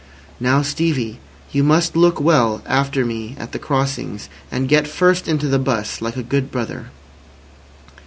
"Now, Stevie, you must look well after me at the crossings, and get first into the 'bus, like a good brother."